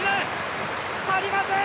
足りません！